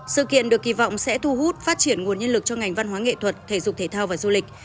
sự kiện được kỳ vọng sẽ thu hút phát triển nguồn nhân lực cho ngành văn hóa nghệ thuật thể dục thể thao và du lịch